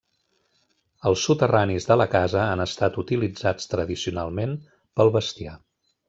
Els soterranis de la casa han estat utilitzats tradicionalment pel bestiar.